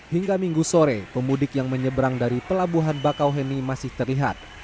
hingga minggu sore pemudik yang menyeberang dari pelabuhan bakauheni masih terlihat